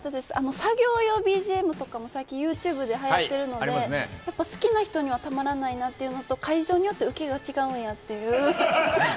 作業用ＢＧＭとかも最近、ＹｏｕＴｕｂｅでハヤってるんで好きな人にはたまらないなというのと会場によって受けが違うんやっていう。